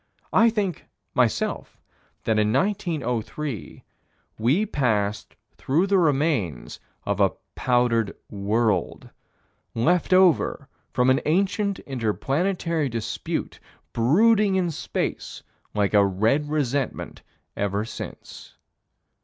I think, myself, that in 1903, we passed through the remains of a powdered world left over from an ancient inter planetary dispute, brooding in space like a red resentment ever since.